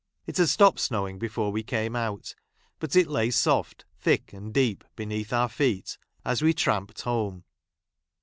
It had stopped snowing before we came out, but it lay soft, thick and deep beneath our feet, as we tramped home.